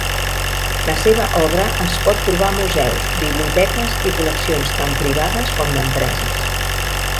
La seva obra es pot trobar a museus, biblioteques i col·leccions tant privades com d'empreses.